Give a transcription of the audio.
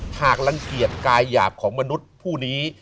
หากรังเกียจกายหยาบของมนุษย์ผู้นี้